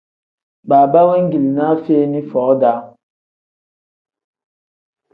Baaba wengilinaa feeni foo-daa.